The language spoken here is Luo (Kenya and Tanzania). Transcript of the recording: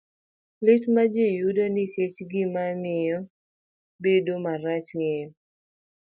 Lit ma ji yudo nikech gik ma gimiyo piny bedo marach ng'eny.